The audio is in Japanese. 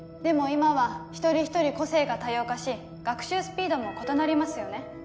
今は一人一人個性が多様化し学習スピードも異なりますよね？